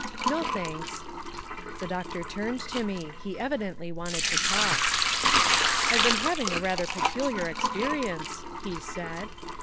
"No, thanks." The doctor turned to me. He evidently wanted to talk. "I've been having a rather peculiar experience," he said.